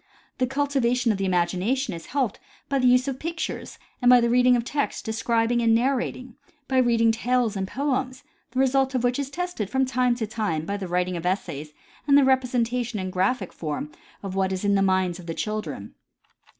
The cultivation of the imagination is helped by the use of pictures and by the reading of text, describing and narrating ; by reading tales and poems, the result of which is tested from time to time by the writing of essays and the representation in graphic form of what is in the minds of the children.